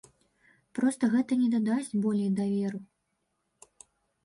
Проста гэта не дадасць болей даверу.